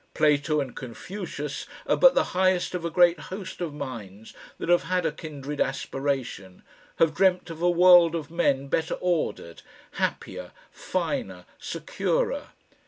Plato and Confucius are but the highest of a great host of minds that have had a kindred aspiration, have dreamt of a world of men better ordered, happier, finer, securer.